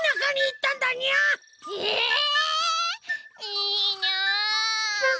いいにゃあ！